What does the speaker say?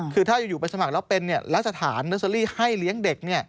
คือถ้าอยู่ไปสมัครแล้วเป็นแล้วสถานเนอร์เซอรี่ให้เลี้ยงเด็ก